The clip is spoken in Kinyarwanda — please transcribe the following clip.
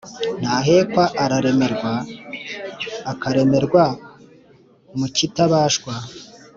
Ntahekwaa raremerwa akaremerwa mu kitabashwa